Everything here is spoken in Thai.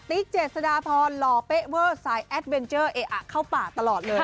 เจษฎาพรหล่อเป๊ะเวอร์สายแอดเวนเจอร์เออะเข้าป่าตลอดเลย